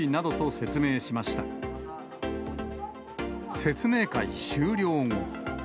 説明会終了後。